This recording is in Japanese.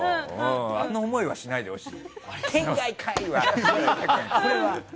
あんな思いはしないでほしい。